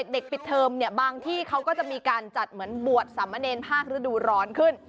เด็กปิดเทิมบางที่เขาก็จะมีการจัดเหมือนบวชสามะเนนภาคฤดูร้อนขึ้น